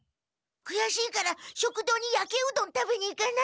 くやしいから食堂にやけうどん食べに行かない？